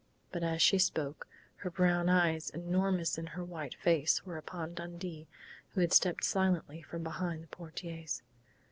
But as she spoke, her brown eyes, enormous in her white face, were upon Dundee, who had stepped silently from behind the portieres.